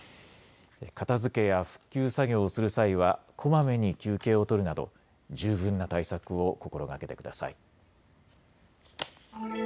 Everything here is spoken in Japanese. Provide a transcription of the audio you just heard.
片づけや復旧作業をする際はこまめに休憩を取るなど十分な対策を心がけてください。